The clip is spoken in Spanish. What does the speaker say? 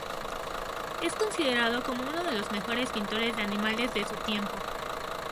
Es considerado como uno de los mejores pintores de animales de su tiempo.